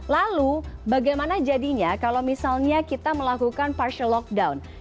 lalu bagaimana jadinya kalau misalnya kita melakukan partial lockdown